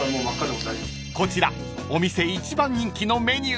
［こちらお店一番人気のメニュー］